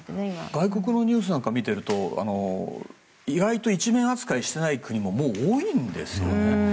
外国のニュースなんか見ていると意外と１面扱いしていない国も多いんですよね。